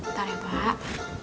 ntar ya pak